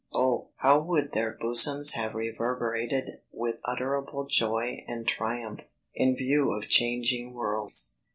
O! how would their bosoms have reverberated with unutterable joy and triumph, in view of changing worlds.